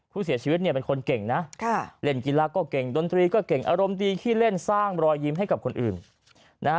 ผู้เสียชีวิตเนี่ยเป็นคนเก่งนะเล่นกีฬาก็เก่งดนตรีก็เก่งอารมณ์ดีขี้เล่นสร้างรอยยิ้มให้กับคนอื่นนะฮะ